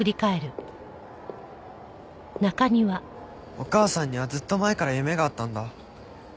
お母さんにはずっと前から夢があったんだ。